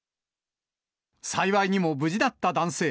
幸いにも無事だった男性。